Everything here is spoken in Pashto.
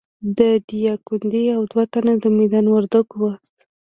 د ډایکنډي او دوه تنه د میدان وردګو وو.